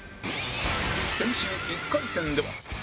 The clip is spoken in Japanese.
先週１回戦では